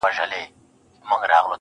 • دا هوښیاري نه غواړم، عقل ناباب راکه.